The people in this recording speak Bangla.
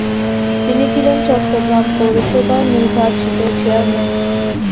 তিনি ছিলেন চট্টগ্রাম পৌরসভার নির্বাচিত চেয়ারম্যান।